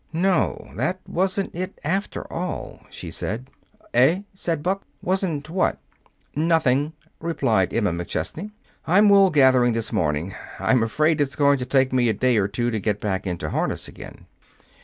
"No, that wasn't it, after all," she said. "Eh?" said Buck. "Wasn't what?" "Nothing," replied Emma McChesney. "I'm wool gathering this morning. I'm afraid it's going to take me a day or two to get back into harness again."